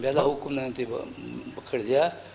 biar hukum nanti bekerja